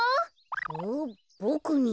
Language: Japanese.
んっボクに？